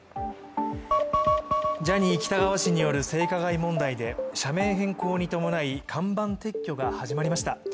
ジャニー喜多川氏による性加害問題で社名変更に伴い、看板撤去が始まりました。